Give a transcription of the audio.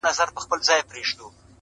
سوال جواب د اور لمبې د اور ګروزونه-